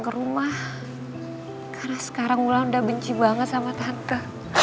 karena sekarang wulan udah benci banget sama tante